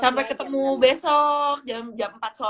sampai ketemu besok jam enam belas